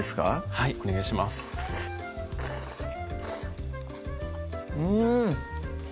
はいお願いしますうん！